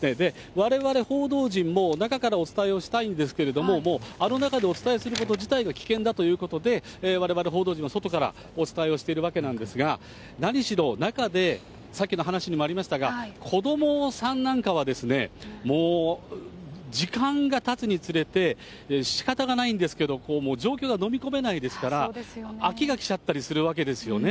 われわれ報道陣も中からお伝えをしたいですけれども、もうあの中でお伝えすること自体が危険だということで、われわれ報道陣は外からお伝えをしているわけなんですが、何しろ中で、さっきの話にもありましたが、子どもさんなんかは、もう時間がたつにつれて、しかたがないんですけど、状況が飲み込めないですから、飽きが来ちゃったりするわけですよね。